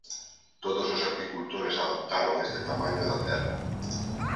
Todos os apicultores adoptaron este tamaño da cela.